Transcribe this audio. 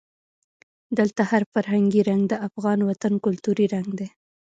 دلته هر فرهنګي رنګ د افغان وطن کلتوري رنګ دی.